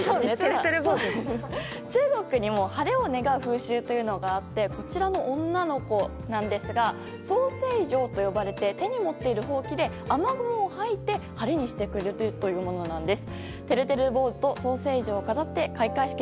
中国にも晴れを願う風習があってこちら女の子なんですが掃晴娘と呼ばれて手に持っているほうきで雨雲を掃いて晴れにしてくれるというものなんです。